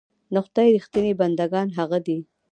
د خدای رښتيني بندګان هغه دي.